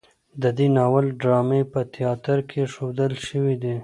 د دې ناول ډرامې په تیاتر کې ښودل شوي دي.